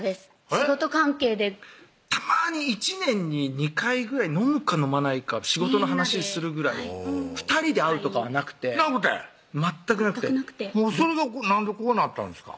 仕事関係でたまに１年に２回ぐらい飲むか飲まないか仕事の話するぐらい２人で会うとかはなくてなくて全くなくてそれがなんでこうなったんですか？